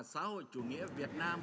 nước cộng hòa xã hội chủ nghĩa việt nam